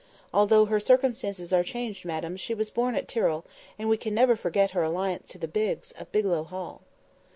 Although her circumstances are changed, madam, she was born at Tyrrell, and we can never forget her alliance to the Bigges, of Bigelow Hall."